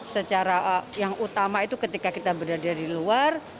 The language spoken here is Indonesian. secara yang utama itu ketika kita berada di luar